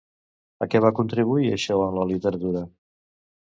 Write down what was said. A què va contribuir això en la literatura?